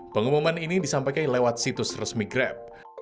pengumuman ini disampaikan lewat situs resmi grab